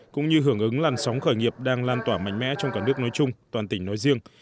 cũng như hưởng ứng làn sóng khởi nghiệp đang lan tỏa mạnh mẽ trong cả nước nói chung toàn tỉnh nói riêng